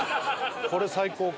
これ最高か。